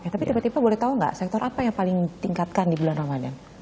tapi tiba tiba boleh tahu nggak sektor apa yang paling ditingkatkan di bulan ramadan